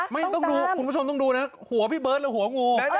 ไม่ต้องดูคุณผู้ชมต้องดูนะหัวพี่เบิร์ตหรือหัวงู